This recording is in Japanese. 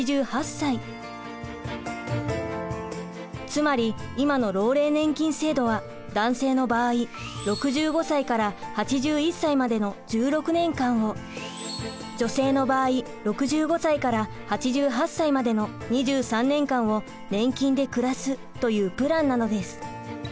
つまり今の老齢年金制度は男性の場合６５歳から８１歳までの１６年間を女性の場合６５歳から８８歳までの２３年間を年金で暮らすというプランなのです。